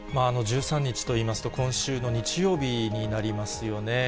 １３日といいますと、今週の日曜日になりますよね。